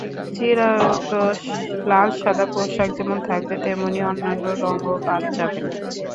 চিরায়ত লাল-সাদা পোশাক যেমন থাকবে, তেমনি অন্যান্য রংও বাদ যাবে না।